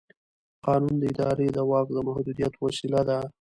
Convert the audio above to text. قانون د ادارې د واک د محدودیت وسیله ده.